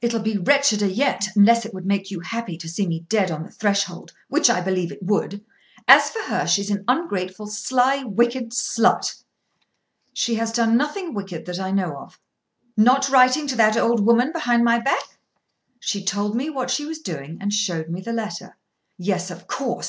"It'll be wretcheder yet; unless it would make you happy to see me dead on the threshold, which I believe it would. As for her, she's an ungrateful, sly, wicked slut." "She has done nothing wicked that I know of." "Not writing to that old woman behind my back?" "She told me what she was doing and showed me the letter." "Yes; of course.